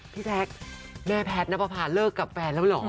พี่แจ๊คแม่แพทย์นับประพาเลิกกับแฟนแล้วเหรอ